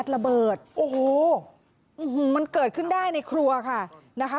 ระเบิดโอ้โหมันเกิดขึ้นได้ในครัวค่ะนะคะ